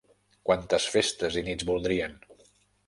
Quantes festes i nits voldrien?